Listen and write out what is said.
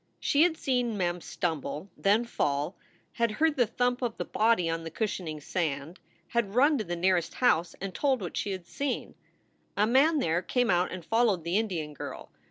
She had seen Mem stumble, then fall; had heard the thump of the body on the cushioning sand; had run to the nearest house and told what she had seen. A man there came out and followed the Indian girl.